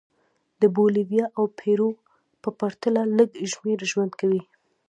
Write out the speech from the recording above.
د بولیویا او پیرو په پرتله لږ شمېر ژوند کوي.